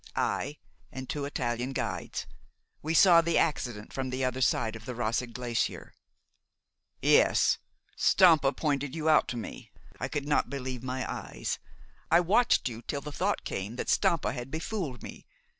"I, and two Italian guides. We saw the accident from the other side of the Roseg glacier." "Yes. Stampa pointed you out to me. I could not believe my eyes. I watched you till the thought came that Stampa had befooled me.